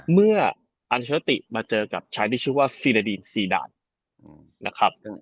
อันเชอร์ติมาเจอกับชายที่ชื่อว่าซีนาดีนซีดานนะครับ